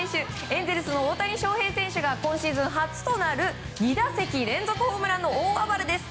エンゼルスの大谷翔平選手が今シーズン初となる２打席連続ホームランの大暴れです。